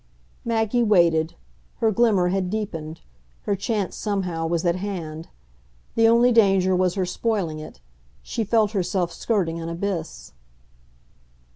Maggie waited her glimmer had deepened; her chance somehow was at hand. The only danger was her spoiling it; she felt herself skirting an abyss.